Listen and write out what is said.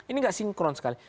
ini enggak sinkron sekali